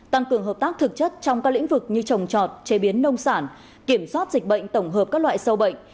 tăng cường hợp tác thực chất trong các lĩnh vực như trồng trọt chế biến nông sản kiểm soát dịch bệnh tổng hợp các loại sâu bệnh